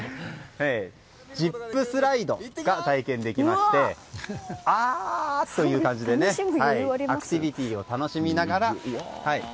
ジップスライドが体験できましてあー！という感じでねアクティビティーを楽しみながら。